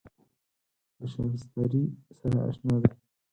له شبستري سره اشنا دی.